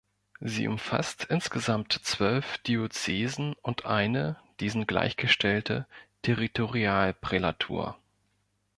Sie umfasst insgesamt zwölf Diözesen und eine, diesen gleichgestellte, Territorialprälatur.